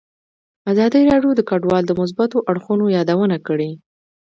ازادي راډیو د کډوال د مثبتو اړخونو یادونه کړې.